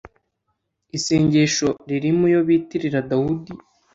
isengesho, riri mu yo bitirira dawudi